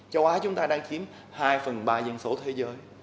châu á chúng ta đang chiếm hai phần ba dân số thế giới